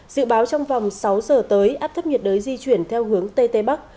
dự báo trong vòng sáu giờ tới áp thấp nhiệt đới di chuyển theo hướng tây tây bắc